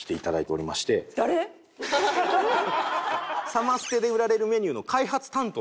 サマステで売られるメニューの開発担当。